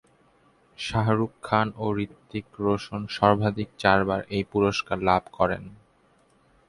শাহরুখ খান ও হৃতিক রোশন সর্বাধিক চারবার এই পুরস্কার লাভ করেন।